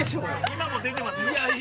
今も出てますよ。